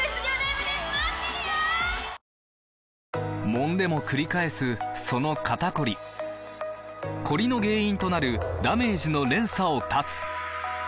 もんでもくり返すその肩こりコリの原因となるダメージの連鎖を断つ！